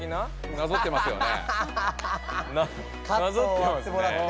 なぞってますね。